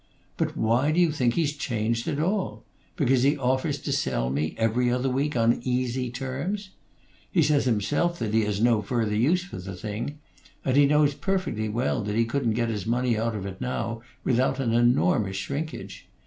But why do you think he's changed at all? Because he offers to sell me 'Every Other Week' on easy terms? He says himself that he has no further use for the thing; and he knows perfectly well that he couldn't get his money out of it now, without an enormous shrinkage.